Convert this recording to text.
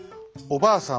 「ばあさん